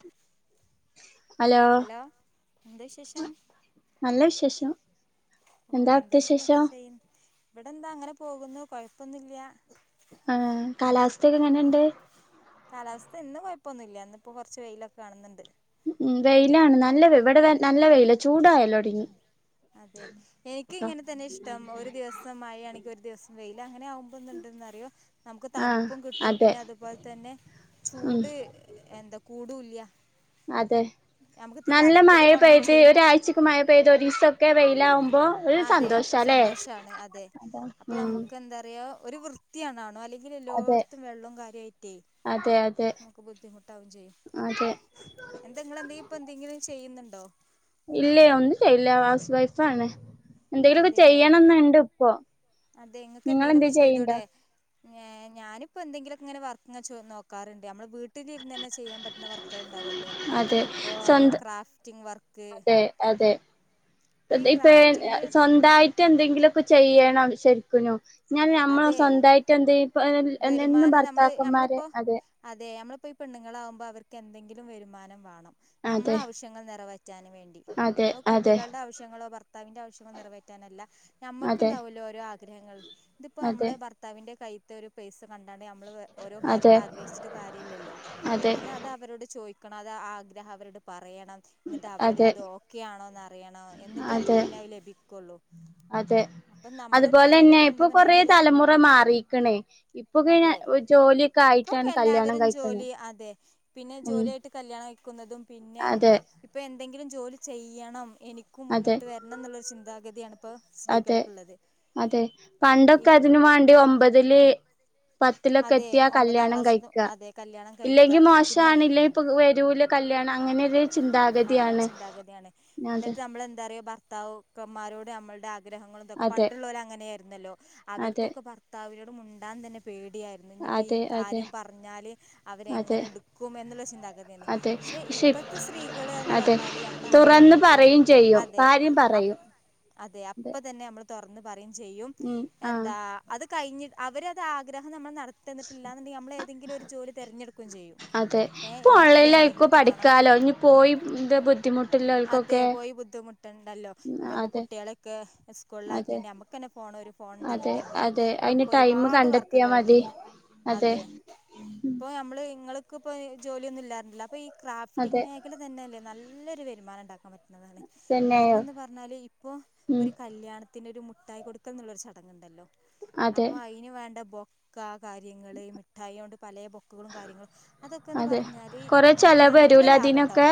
[unintelligible] Hello എന്താ വിശേഷം നല്ല വിശേഷം ഓ എന്താ അവിടുത്തെ ഇപ്പ വിശേഷം ചെയ്യും ഇവിടെന്താ അങ്ങനെ പോകുന്നു കുഴപ്പൊന്നുമില്ല ആഹ കാലാവസ്ഥൊക്കെ എങ്ങനെണ്ട് അത് ഇന്ന് കുഴപ്പമൊന്നുമല്ല ഇന്നിപ്പോൾ കുറച്ച് വെയിലൊക്കെ കാണുന്നുണ്ട് ഉ വെയിലാണ് നല്ല ഇവിടെ വ നല്ല വെൽ ചൂടായ അതെ എനക്ക് ഇങ്ങനെ തന്നെ ഇഷ്ടം ഒരു ദിവസമായിണ ഒരു ദിവസം വയിയില അങ്ങനെയാവുമ്പൊ എന്ത്ണ്ട്ന്നറിയോ നമുക്ക് ആഹ് തണുപ്പും കിട്ടും അതെ പിന്നെ അതുപോലെ തന്നെ ഉം ചൂട് എന്താ കൂടുല്ല അതെ നമുക്ക് നല്ല മഴ അലക്കിയതൊക്കെ ഉണങ്ങും പെയ്ത് ചെയ്യും ഒരാഴ്ചക്ക് മഴ പെയ് തൊരിസൊക്കെ വെയിലാവു അതെ അപ്പൊരു സന്തോഷാണ് അതെ അപ്പൊ ഉം നമ്മക്ക് എന്താറിയോ ഒരു വൃത്തിയാണാണു അല്ലെ ങ്കില് അതെ എല്ലോട്ത്തും വെള്ളൊം കാര്യയായിട്ടേ അതെ അതെ നമുക്ക് ബുദ്ധിമുട്ടാവും ചെയ്യും അതെ എന്തെ ങ്ങള്ന്തെ പ്പന്തെങ്കിലും ചെയ്യ്ന്ന് ണ്ടോ ഇല്ലേ ഒന്നും ചെയ്യ്ല്ലാ ഹൗസ് വൈഫാണ് എന്തെലൊക്ക അതെ ചെയ്യണംന്ന്ണ്ട്പ്പം. നിങ്ങളെന്തെ ചെയ്യ്ണ്ടോ? ങ്ങേ ഞാനിപ്പൊ എന്തെങ്കിലൊക്കെങ്ങനെ വർക്ക് ചോ നോക്കാറ്ണ്ട് നമ്മളെ വീ ട്ടിലിരുന്നന്നെ ചെയ്യാൻ പറ്റ്ന്ന വർക്കള്ണ്ടാവല്ലോ അതെ ഇപ്പോ സ്വന്തം ക്രാഫ്റ്റിങ് വർക്ക് അപ്പോൾ ഈ എന്തേ ഇപ്പേ ആ ക്രാഫ്റ്റിംഗ് സ്വന്തായി ട്ടെന്തെങ്കിലൊക്കെ ചെയ്യണം ശെര്ക്കിനും ഞാ ഞമ്മളെ അതെ സ്വന്തമായിട്ടെന്തെ ഇപ്പോള്‍ ഏല് എല്ലന്നും വരുമാനം ഭർത്താക്കന്മാര് അതെ പ്പം ഈ പെണ്ണുങ്ങളാവുമ്പോ അവർക്കന്തെങ്കിലും വരുമാനം വാണം അതെ നമ്മളാവശ്യങ്ങൾ നെറവേറ്റാന് വേണ്ടി അതെ നമ്മള് അതെ കുട്ടികളുടെ ആവശ്യങ്ങളോ ഭർ ത്താവിന്റെ ആവശ്യങ്ങള് നെറവേറ്റാനല്ല അതെ നമ്മക്ക്ണ്ടാവല്ലോ ഓരോ ആഗ്രഹങ്ങൾ പ്പം അതെ മ്മള് ഭർത്താവി ന്റെ കൈത്തൊരു പേഴ്സ് കണ്ടാണ്ട് നമ്മള് വെ ഓരോ അതെ കാര്യങ്ങൾ ആഗ്രഹിച്ചിട്ട് കാര്യല്ലല്ലോ അതെ കാരണം അത് അവരോട് ചോയി ക്കണം അത് ആ ആഗ്രഹം അവരോട് പറയെ ണം ന്നിട്ട് അവര് അതെ അത് ഓക്കെയാണൊന്നറിയണം. എന്നിട്ട് നമുക്ക് അതെ പിന്നെ അഹ് ലഭിക്കുള്ളൂ. അപ്പം നമ്മുടൊരു കൈയിൽ ഇപ്പ കൊറെ ഉണ്ടെന്നുണ്ടെങ്കില് തലമുറ മാറീക്കണേ ഇപ്പൊക്കെ പിന്നെ അതെ ഓ ജോലിയൊക്കെ ഇപ്പൊക്കെ ആയിട്ടാണ് കല്യാണം എല്ലാവരും കഴിക്കണെ ജോലി ഉം ല്യാണയ്ക്കുന്നതും പിന്നെ അതെ ഇപ്പൊ എന്തെങ്കിലും ജോലി ചെയ്യണം എനിക്ക് അതെ മുന്നോട്ട് വരണംന്നുള്ളൊരു ചിന്താ ഗതിയാണ് പ്പൊ അതെ സ്ത്രീകൾക്ക്ള്ളത് അതെ പണ്ടൊക്കെ അതിനുവാണ്ടി ഒമ്പതില് പത്തിലൊക്കെ അതെ എത്ത്യാ ഒമ്പതാം കല്യാണം ക്ലാസ്സിന്ന് കയ്ക്കാ അതെ കല്യാണം ഇല്ലെങ്കി കഴിക്ക പിന്നെ മോശാണ് ഇല്ലേപ്പൊ വരൂല്ല കല്യാണം ആ അങ്ങനൊരു ആ ചിന്താഗതിയാണ് ഞാതെ ത്താക്കന്മാരോട് മ്മൾടെ ആ ഗ്രഹങ്ങളും ഇതൊക്കെ അതെ പണ്ടുള്ളോരങ്ങനെ ആയിര്ന്നല്ലോ അതെ അവർക്കൊക്കെ ഭർത്താവി മുണ്ടാൻ തന്നെ പേ ടിയായിരുന്ന് ഇനിയിപ്പോ ഈ അതെ അതെ കാര്യം പറഞ്ഞാല് അതെ അവരെങ്ങെനെടുക്കും എന്നുള്ള ചിന്താഗതിയാണ്, അതെ ഷേ പക്ഷെ ഇപ്പത്തെ സ്ത്രീകള്ന്ന് അതെ പറഞ്ഞാല് മ്മളെ തുറന്ന് ആഹ് പറയും ചെയ്യും അതെ കാര്യം അപ് പറയും അതെ അപ്പത്തന്നെ മ്മള് തൊറന്ന് പറയും ചെയ്യും ഉം ആഹ് എന്താ അത് കഴിഞ്ഞി അവരത് ആഗ്ര ഗ്രഹം നമ്മൾ ന ടത്തി തന്നിട്ടില്ലാന്നിണ്ടെങ്കി നമ്മളേതെങ്കിലൊരു ജോലി തെരഞ്ഞടു ക്കും ചെയ്യും അതെ ഏഹ് ഇപ്പൊ എനിക്ക് ഓൺലൈനിലായിക്കോ എന്തെങ്കിലൊക്കെ വേണം, പഠിക്കാലോ ഇനി പോയി ഇത് അതെ ബുദ്ധിമുട്ടുള്ളോൽക്കൊക്കെ പോയി ബുദ്ധിമുട്ടണ്ടല്ലോ നമ്മളിപ്പൊ അതെ കുട്ടികളെ ഒക്കെ അതെ സ്കൂളിലാക്കിയാണ്ട് നമുക്കന്നെ ഫോണൊരു ഒരു ഫോൺ അതെ ഇണ്ടുന്നുണ്ടെങ്കില് അതെ അയിന് നമുക്ക് ടൈം ഒരുപാട് വർ- കണ്ടെത്തിയാ കളിണ്ട് മതി അതെ ഇപ്പൊ ഞമ്മള് നിങ്ങൾക്ക് ഇപ്പൊ ഏഹ് ജോലിയൊന്നും ഇല്ലാ പർഞ്ഞില്ലേ അപ്പൊ ഈ ക്രാഫ്റ്റിംഗ് അതെ മേഖല തന്നെ അല്ലേ നല് നല്ലൊരു വരുമാനിണ്ടാക് പറ്റണതാണ് തന്നെയോ കാരണന്ന് പറഞ്ഞാല് ഇപ്പൊ ഉം ഒരു കല്യാണ ത്തിനൊരു മുട്ടായി കൊടുക്കൽന്നുള്ളൊരു ചടങ്ങുണ്ടല്ലോ അതെ അപ്പൊ അയിന് വേണ്ട ബൊ ക കാര്യങ്ങള് മിഠായോണ്ട് പലേ ബൊക്കകളും കാര്യങ്ങളും അതൊക്കെന്ന് അതെ പറഞ്ഞാല് കൊറെ ഞമക്ക് ചെലവ് നല്ല വരൂലേ അതിനൊക്കെ ലാഭണ്ടാവും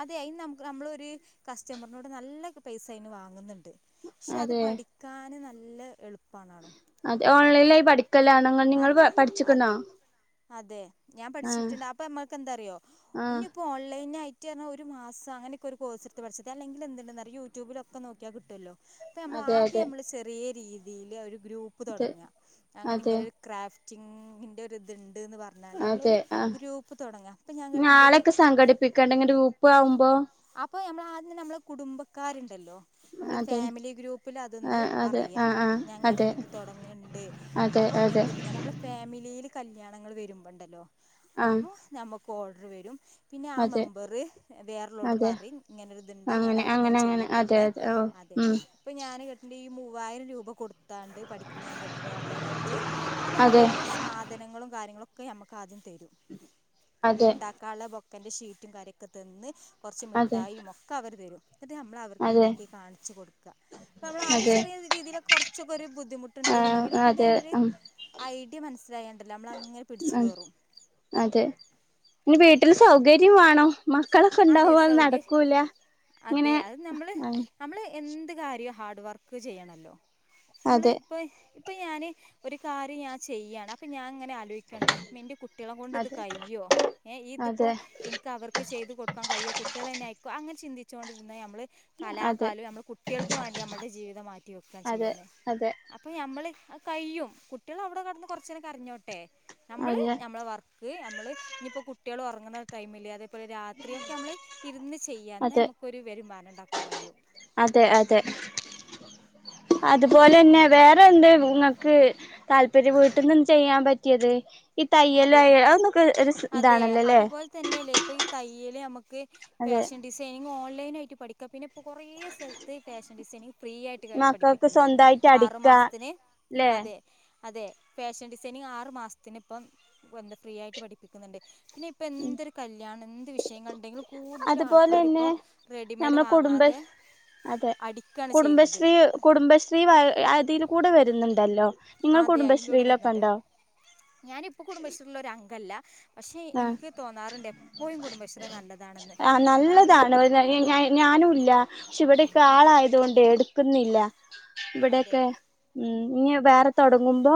അതെ അയിന് നമുക്ക് നമ്മളൊര് കസ്റ്റമറിനോട് നല്ല പൈസ അയിന് വാങ്ങുന്നു ണ്ട് ഷേ അത് അതെ പഠിക്കാന് ന നല്ല എള് അതെ ഓൺലൈനായ് പഠി അ അ അതെ ഞാൻ ആഹ് പഠിച്ചിട്ട്ണ്ട് അപ്പൊ നമ്മക്ക് എന്താറിയോ ആഹ് ഇനിയിപ്പോ ഓൺലൈനായ് ട്ട് പറഞ്ഞാ ഒരുമാസ അങ്ങനൊക്കെ ഒരു കോഴ്സ് എടുത്ത് പഠിച്ചതാ അല്ലെങ്കില് എന്തുണ്ടെന്നറിയോ ഈ യൂട്യൂബിലൊക്കെ നോക്കിയാ കിട്ടുല്ലൊ അപ്പൊ മ്മള് അതെ അതെ ആദ്യമ്മള് ചെറിയ രീതി തീയില് അവര് ഗ്രൂപ്പ് അതെ തൊടങ്ങാ അങ്ങനെ അതെ ഇങ്ങനെ ക്രാഫ്റ്റിങ്ങിൻ്റെ ഒരിതി ണ്ടിന്ന് പറഞ്ഞാണ്ട് അതെ നമ്മളൊരു ആഹ് ഗ്രൂപ്പ് തൊടങ്ങാ അപ്പൊ ഞാൻ കേട്ടിണ്ടൊരു നാളെയൊക്കെ സംഘടിപ്പിക്കണ്ടെ ഇങ്ങനെ ഗ്രൂപ്പ് ആവുമ്പോ അപ്പൊ ഞമ്മള് ആ നമ്മള് കുടുംബക്കാരി ല്ലോ നമ്മെ അതെ ഫാമിലി ഗ്രൂപ്പിൽ അതൊന്ന് ആഹ് അതെ പറയാ ആഹ് ആഹ് ഞാങ്ങനെ അതെ തുടണ്ട് അതെ അപ്പൊ എ അതെ ഫാമിലിയിയില് കല്യാണങ്ങൾ വരുമ്പോണ്ടല്ലോ ആഹ് അപ്പോൊ നഞമ്മക്ക് ഓർഡർ വരും പിന്നെ ആ അതെ മെമ്പറ് വേറള്ളോട് അതെ പറയും ഇങ്ങനെരി ഇതുണ്ട് ഞാൻ അങ്ങനെ അവിടുന്നും അങ്ങനെ അങ്ങനെ അതെ ചെയ്തിരുന്ന അതെ ഓ അതെ ഉം അപ്പം ഞാൻ കേട്ടിട്ട ഈ മൂവായിരം രൂപ കൊടുത്താണ്ട് പഠിക്കുന്ന ഞാൻ കേട്ടിട്ടണ്ട് ഓൺലൈന യിട്ട് അത് അതെ അവര് സാധനങ്ങളും കാര്യങ്ങളും ഒക്ക അമ്മക്കും അതെ [unintelligible] എന്റെ ഷീറ്റും കാര്യൊക്കെ തിന്ന് കുറച്ച് അതെ മിഠായി ഒക്കെ അവർ തരും എന്നിട്ട് നമ്മൾ അവർക്ക് അതെ ഉണ്ടാക്കി കാണിച്ചു കൊടുക്കുക അപ്പ നമ്മൾ ആദ്യ അതെ ചെറിയ രീതിൽ കുറച്ചൊക്കെ ഒരു ബുദ്ധിമുട്ടുണ്ട് ആ എന്നുണ്ടെങ്കിലും പിന്നെ അതെ ഉം അതിനരു മനസിലായണ്ടല്ലോ നമ്മൾ അങ്ങനെ പിടിച്ചു ഉം കയറും അതെ ഇനി വീട്ടിൽ സൗഖ ഗരിമാണോ മക്കളൊക്കെ അതെ ഉണ്ടാവുമ്പോ സൗകര്യ നടക്കൂല അതെ ഇങ്ങനെ അത് നമ്മള് നമ്മള് എന്ത് കാര്യവും ഹാർഡ് വർക്ക് ചെയ്യണല്ലോ നമ്മള് അതെ ഇപ്പൊ ഇപ്പൊ ഞാന് ഒരു കാര്യം ഞാൻ ചെയ്യയാണ് അപ്പൊ ഞാ അങ്ങനെ ആലോചിക്കാണ് എന്റെ കുട്ടികളെ കൊണ്ട് ഇത് അതെ കയ്യോ ഏ ഇതിപ്പോ അതെ എനിക്ക് അവർക്ക് ചെയ്ത് കൊ കയ്യോ കുട്ടികൾ തന്നെയിക്കോ അങ്ങനെ ചിന്തിച്ചുകൊണ്ടിന്ന നമ്മള് അതെ കലാകാലവും നമ്മള് കുട്ടികൾക്ക് വേണ്ടി നമ്മളുടെ ജീവിതം മാറ്റി വെക്കൻ അതെ ചെയ്യുന്നത് അതെ അപ്പൊ നമ്മള് കയ്യും കുട്ടികൾ അവിടെ കടന്ന് കുറച്ചരക്ക അറിഞ്ഞോട്ടെ നമ്മള് അതെ നമ്മളെ വർക്ക് നമ്മള് ഇനിപ്പോ കുട്ടികള ഉറങ്ങുന്ന ടൈംമില്ല അതേപോലെ ഇത്രൊക്കെ നമ്മള് ഇരുന്ന് ചെയ്യാന്ന് അതെ നമുക്കൊരു വരുമാനം ഉണ്ടാക്കാൻ കഴിയും അതെ അതെ അപ്പൊ അതുപോലെന്നെ ഞാ ഇര് വീട്ടിൽ നിന്നും ചെയ്യാൻ പറ്റും ത്തിയത് ഈ തയ്യല അത് അയ്യൽന്നൊക്കെ ഒരു ഇതാണല്ലോല്ലേ യല് നമക്ക് [unintelligible] അതെ ഫാഷൻ ഡിസൈനിങ് ഓൺലൈൻ പഠിക്ക പിന്നെ കൊറേ സ്ഥലത്ത് ഫാഷൻ [unintelligible] ഫ്രീ ആയിട്ട് മക്കൾക്ക് പഠിപ്പിക്കുന്നുണ്ട് സ്വന്തായിട്ട് ആറു അടിക്കാ മാസത്തിന് ല്ലെ അതെ അതെ ഫാഷൻ ഡിസൈനിങ് ആറ് മാസത്തിന് ഇപ്പം എന്ത ഫ്രീ ആയിട്ട് പഠിപ്പിക്കുന്നുണ്ട് പിന്നെ ഇപ്പോ എന്തൊരു കല്യാണം എന്ത് വിഷയങ്ങൾ ഉണ്ടെങ്കിലും കൂടുതലും ആൾക്കാാര് അതുപോലെന്നെ ഇപ്പോ റെഡിമെയഡ് ഞമ്മൾ കുടുംബ വാങ്ങാതെ അതെ അടിക്കാണ് ചെയ്യുന്നത് തിൽ കൂടെ വരുന്നുണ്ടല്ലോ നിങ്ങൾ അതെ അതിയിലൂടെ വരുന്നുട്ട് കുടുംബശ്രീയിലൊക്കെണ്ടോ ഞാനിപ്പം കുടുംബശ്രീയിൽ ഒരു അംഗല്ല ആ കുടുംബശ്രീ നല്ലതാണെന്ന് ആ കാരണം നല്ലതാണ് പിന്നെ ഞാ ഞാനുംല്ല പക്ഷെ ഇവിടൊക്കെ അതെ ആളായത കൊണ്ട് എടുക്കുന്നില്ല അതെ ഇവിടൊക്കെ ഉം ഇനി വേറെ തുടങ്ങുമ്പോ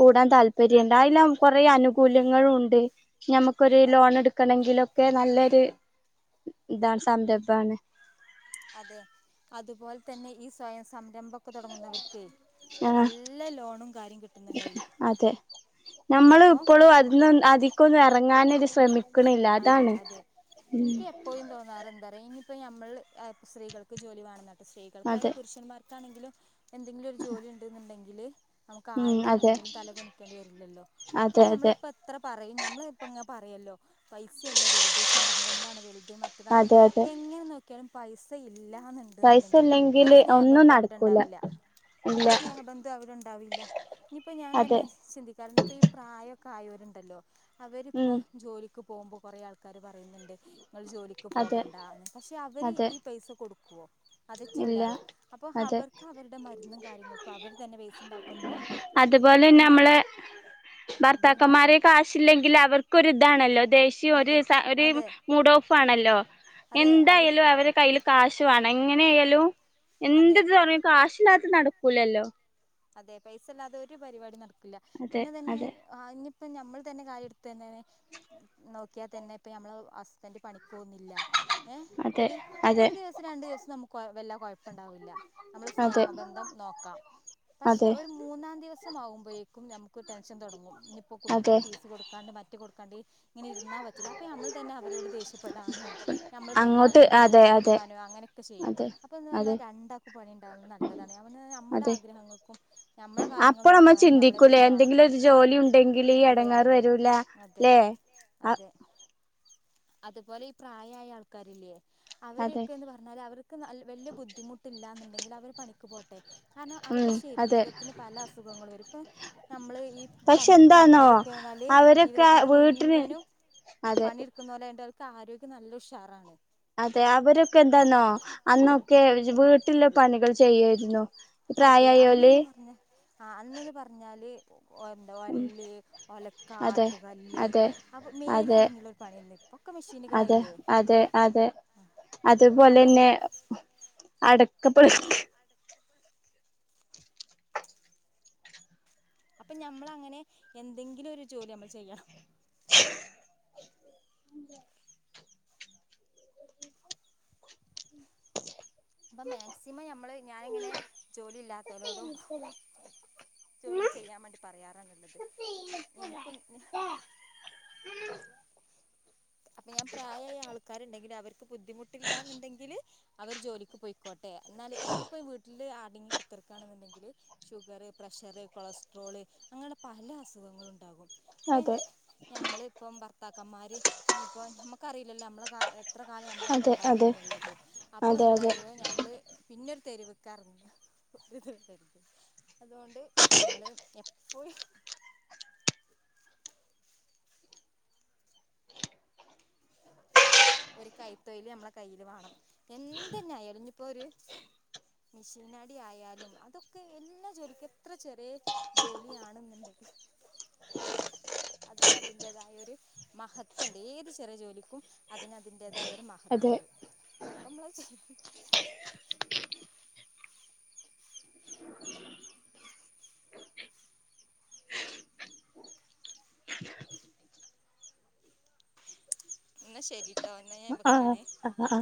കൂടാൻ താല്പര്യംണ്ട് അതില കുറേ ആനുകൂല്യങ്ങളും ഉണ്ട് ഞമ്മുക്കൊരു അത് ലോൺ എടുക്കണെങ്കിലും ഒക്കെ നല്ലൊരു ഇതാണ് സംരംഭമാണ് അതെ അതുപോലെ തന്നെ ഈ സ്വയം സം രംഭംഒക്കെ തുടങ്ങുന്നവർക്ക് ആഹ് നല്ല ലോണും കാര്യം കിട്ടുന്നുണ്ട് അതിൽ അതെ നമ്മള് അപ്പോൾ ഇപ്പോഴും അതി അധിക്കൊന് തുടങ്ങാനൊ ഒരു ശ്രമി അതെ അതെ എനിക്ക് എപ്പോഴും തോന്നാറ എന്താറിയോ ഇനി ക്കിപ്പൾ നമ്മൾ സ്ത്രീകൾക്ക് ജോലി വാണംന്നാ സ്ത്രീകൾക്കായാലും അതെ പുരുഷന്മാർ ആണെങ്കിലും എന്തെങ്കിലും ഒരു ജോലി ഉണ്ടെന്നുണ്ടങ്കിൽ അതിലേ നമുക്ക് ഉം ആരുടെ അതെ മുന്നിലും തല കുനിക്കേണ്ടി വരില്ലല്ലോ അപ്പൊ അതെ അതെ നമ്മളിപ്പ എത്ര പറയും നമ്മള ഇപ്പ ഇങ്ങെ പറയല്ലോ പൈസ അല്ല വലുത് സ്നേഹബന്ധമാണ് വലുത് മറ്റേതന്ന് അതെ അതെ എങ്ങനെ നോ ക്കിയാലും പൈസ ഇ പൈസ ഇല്ലന്നുണ്ടെങ്കിൽ ഒരു ഇല്ലെങ്കില് ഒന്നും സ്നേഹബന്ധം അവിടെ നടക്കൂല ഉണ്ടാവില്ല ഇല്ല ഒരു സ്നേഹബന്ധം അവിടെ ഉണ്ടാവില്ല ഇനിപ്പോ ഞാൻ അതെ തന്നെ ചിന്തിക്കാറുണ്ട് ഇപ്പൊ പ്രായ കായൂരുണ്ടല്ലോ അവരിപ്പോ ഉം ജോലി പോകുമ്പോൾ കുറെ ആൾക്കാര് പറയുന്നുണ്ട് നിങ്ങള് ജോലിക്ക് അതെ പോകണ്ടാ പക്ഷെ അവര് അതെ ഈ പൈസ കൊടുക്കുവോ അത് ഇല്ല [unintelligible] അപ്പൊ അതെ അവർക്ക് അവരുടെ മരുന്നും കാര്യങ്ങൾക്കും അവര് തന്നെ പൈസ ഉണ്ടാക്കുമ്പോ അവർക്കും അതുപോലെ തന്നെ നമ്മളെ ഇത്ണ്ടാകും ഭർത്താക്കന്മാര് കാശില്ലെങ്കിൽ അവർക്കൊരിതാണല്ലോ ദേഷ്യം ഒര് സ ഒര് മൂടോ ഫാണല്ലോ അതെ അത് എന്തായാലും അവരെ കയ്യില് കാശു വാ എങ്ങനെ ആയാലൂ എന്ത് അതെ [unintelligible] കാശില്ലാത്ത നട ക്കൂലല്ലോ അതെ പൈസല്ലാതെ ഒരു പരിപാടീം നട ഇല്ല അതെ പിന്നെ തന്നെ അതെ ആഞ്ഞു ഇപ്പ ഞമ്മള് തന്നെ കാര്യം എടുത്തേനെ തന്നെനോക്കിയാൽ തന്നെ ഇപ്പ നമ്മള്ഹസ്ബന്റ് പണിക്ക് പോകുന്നില്ല ഏഹ് അതെ ഒരു അതെ ഒരു ദിവസം രണ്ടു ദിവസം നമുക്ക് വല്ല കൊഴപ്പണ്ടാവില്ല നമ്മള് അതെ സ്നേഹബന്ധം നോക്കാം പക്ഷെ അതെ ഒരു മൂന്നാം തി ദിവസമാകുമ്പോഴേക്ക് നമുക്കും ഒരു ടെൻഷൻ തൊടങ്ങും ഇനിയിപ്പോ കുട്ടിക്ക് അതെ ഫീസ് കൊടുക്കാനുണ്ട് മ - റ്റ് കൊടുക്കാണ്ട് ഇങ്ങനെ ഇരുന്നാ പറ്റില്ല അപ്പഴ് നമ്മൾ തന്നെ അവരോട് ദേഷ്യപ്പെടാനും നമ്മള് തന്നെ അങ്ങോട്ട് അവർക്ക് അതെ ഉപദേശം അതെ കൊടുക്കാനും അങ്ങനെയൊക്കെ ചെയ്യും അതെ അപ്പൊ എന്ന് പറഞ്ഞാ അതെ രണ്ടാക്ക് പണി അത് നല്ലതാണ് അവന് നമ്മടെ അതെ ആഗ്രഹങ്ങ [unintelligible] അപ്പൊ നമ്മള് ചിന്തിക്കൂലേ പൈസ വേണം എന്തെങ്കിലും ഒരു ജോലി ഉണ്ടെങ്കിൽ ഈ അതെ എടങ്ങാറ് അതെ വരൂല്ലാ അതെ ല്ലേ ആ അതെ അതുപോലെ ഈ പ്രായ ആയ ആൾക്കാരില്ലേ അതെ അവരക്ക് എന്ന് പറഞ്ഞാല് അവർക്ക് വല്യ ബുദ്ധിമുട്ടില്ലാ എങ്കിൽ അവര് പണിക്ക് പോട്ടെ കാരണം അവരുടെ ഉം ശ അതെ ശരീരത്തിന് പല അസുഖങ്ങള് വരും ഇപ്പ നമ്മള് ഈ പക്ഷെ പണ്ടത്ത എന്താന്നോ ആൾക്കാരൊക്കെ എന്നാല് അവരൊക്കെ ജീവിതകാലം വീട്ടിന് മുഴുവനും അതെ പണിയെടുക്കുന്നോലായോണ്ട് ആരോഗ്യം നല്ല ഉഷാറാണ് അതെ അവരൊക്കെ എന്താന്നോ അന്നൊക്കെ വീ വീട്ടിലെ പണികൾ ചെയ്യായിരുന്നു അതെ പ്രായായോല് അന്നന്ന് പറഞ്ഞാ ആ അന്നന്ന് പറഞ്ഞാല് എന്താ ഉം ഒരല് ഒലക്കാ അതെ ആട്ടുകല്ല് അതെ അപ്പൊ അതെ മേലാനങ്ങീള്ള ഒരു പണില്ലേ ഇപ്പൊക്കെ അതെ മെഷീനുകളായില്ലേ അതെ അതെ അപ്പൊ നമ്മള് അതുപോലെന്നെ അതെ അടക്കപ്പഴുക്ക് അപ്പൊ ഞമ്മള് അങ്ങനെ എന്തെങ്കിലും ഒരു ജോലി നമ്മള് ചെയ്യണം [inaudible] അപ്പൊ മാക്സിമം നമ്മള് ഞാനിങ്ങനെ ജോലി ഇല്ലാത്ത മക്കലോടും ജോലി ചെയ്യാൻ വേണ്ടി പറയാറെന്നുള്ളത് ഇനി എനിക്കും അപ്പൊ ഞാൻ പ്രായമായ ആൾക്കാരുണ്ടെങ്കിൽ അവർക്ക് ബുദ്ധിമുട്ടില്ല എന്നുണ്ടെങ്കില് അവർ ജോലിക്ക് പോയിക്കോട്ടെ എന്നാല് ഇനി ഇപ്പോ വീട്ടില് ആടുങ്ങി കുത്തിർക്കുകയാണെന്നുണ്ടെങ്കില് ഷുഗർ പ്രഷറ് കൊളസ്ട്രോള് അങ്ങനെ പല അസുഖങ്ങളുംഉണ്ടാകും ഇപ്പ അതെ നമ്മള് ഇപ്പം ഭർത്താക്ക മാരി ഇപ്പൊ നമ്മക്കറിയില്ലല്ലോ നമ്മള ക അത്ര കാലം നമ്മള അപ്പം അതെ ഇണ്ടാകും അതെ എന്നുള്ളത് അപ്പോൾ അതെ എന്താ അതെ പറയുക നമ്മൾ പിന്നെരു തെരുവെക്കാറുണ്ട് ഒരു ത അതുകൊണ്ട് നമ്മള് എപ്പോഴും ഒരു കൈത്തൊൽ നമ്മളെ കയ്യില് വേണം എന്തന്നെ ആയാലും ഇനിയിപ്പോൊ ഒരു മെഷീൻ അടി ആയാലും അതൊക്കെ എല്ലാ ജോലിിക്കും എത്ര ചെറിയ ജോലിയാണെന്നുണ്ടെിൽ അതിന് അതിന്റേതായ ഒരു മഹത്വുണ്ട് ഏത് ചെറിയ ജോലിക്കും അതിന അതിൻന്റെ അതായരു അതെ മഹത്തുണ്ട് അമ്മള ച എന്നാ ശരിട്ടാ എന്നാ ഞാൻ ആ വെക്കണേ ആ ആ